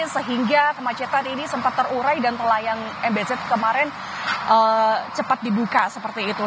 sehingga kemacetan ini sempat terurai dan pelayang mbz kemarin cepat dibuka seperti itu